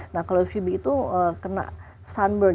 nah kalau uvb itu kena sunburn